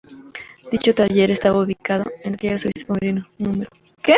Dicho taller estaba ubicado en la calle Arzobispo Meriño No.